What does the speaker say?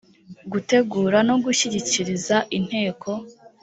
gutegura no gushyigikiriza inteko